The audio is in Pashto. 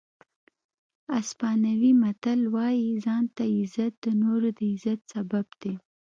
اسپانوي متل وایي ځان ته عزت د نورو د عزت سبب دی.